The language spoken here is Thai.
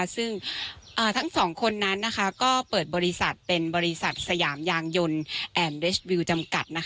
ซึ่งทั้งสองคนนั้นก็เปิดบริษัทเป็นบริษัทสยามยางยนต์แอนดเดชวิวจำกัด